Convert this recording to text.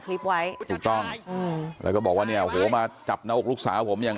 คลิปไว้ถูกต้องอืมแล้วก็บอกว่าเนี่ยโหมาจับหน้าอกลูกสาวผมอย่าง